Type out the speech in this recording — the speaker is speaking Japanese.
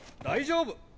大丈夫！